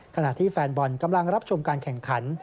ขณะที่แฟนบอลกำลังรับชมการแข่งขัน